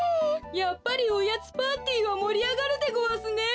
やっぱりおやつパーティーはもりあがるでごわすね！